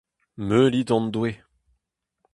Meulit hon Doue.